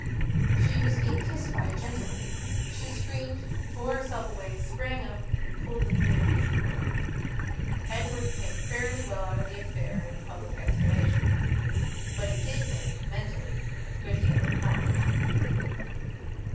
She was being kissed by a gentleman. She screamed, tore herself away; sprang up and pulled a communication cord. Edward came fairly well out of the affair in the public estimation; but it did him, mentally, a good deal of harm.